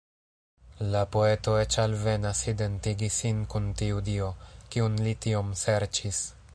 La poeto eĉ alvenas identigi sin kun tiu dio, kiun li tiom serĉis.